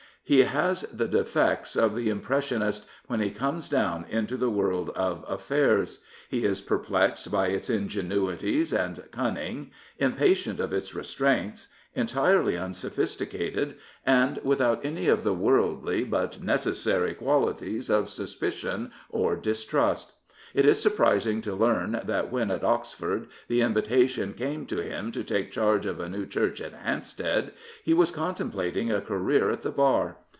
He has the defects of the impressionist when he comes down into the world of affairs. He is per plexed by its ingenuities and cunning, impatient of its restraints, entirely unsophisticated, and without any of the worldly but necessary qualities of suspicion or distrust. It is surprising to learn that when, at Oxford, the invitation came to him to take charge of a new church at Hampstead, he was contemplating a career at the Bar.